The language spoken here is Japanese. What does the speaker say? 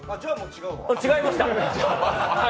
違いました。